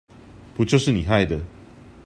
不就是你害的